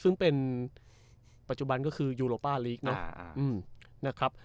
ซึ่งเป็นปัจจุบันก็คือยูโรปาลีกนะอ่าอืมนะครับ